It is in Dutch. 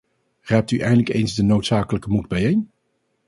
Raapt u eindelijk eens de noodzakelijke moed bijeen!